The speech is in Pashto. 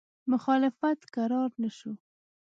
مخالفت کرار نه شو.